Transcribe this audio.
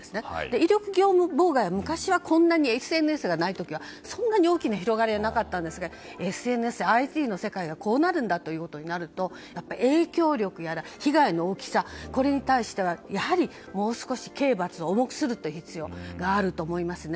威力業務妨害は昔、ＳＮＳがない時はこんなに大きな広がりはなかったんですがＳＮＳ、ＩＴの世界でこうなるんだということになると影響力や被害の大きさに対してやはり、もう少し刑罰を重くする必要があると思いますね。